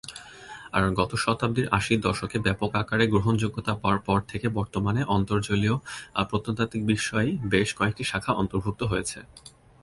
আর গত শতাব্দীর আশির দশকে ব্যাপক আকারে গ্রহণযোগ্যতা পাওয়ার পর থেকে বর্তমানে অন্তর্জলীয় প্রত্নতাত্ত্বিক বিষয়েই বেশ কয়েকটি শাখা অন্তর্ভুক্ত রয়েছে।